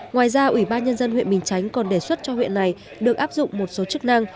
ngoài ra ủy ban nhân dân huyện bình chánh còn đề xuất cho huyện này được áp dụng một số chức năng